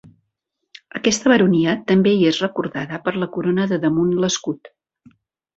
Aquesta baronia també hi és recordada per la corona de damunt l'escut.